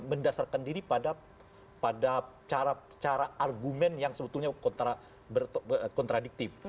mendasarkan diri pada cara argumen yang sebetulnya kontradiktif